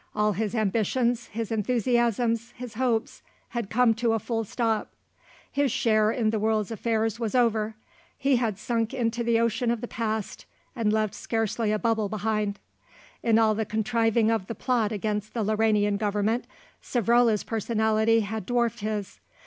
All his ambitions, his enthusiasms, his hopes had come to a full stop; his share in the world's affairs was over; he had sunk into the ocean of the past, and left scarcely a bubble behind. In all the contriving of the plot against the Lauranian Government Savrola's personality had dwarfed his.